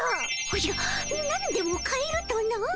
おじゃなんでも買えるとな？